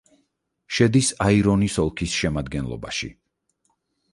შედის აირონის ოლქის შემადგენლობაში.